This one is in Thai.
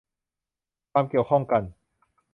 ความเกี่ยวข้องกัน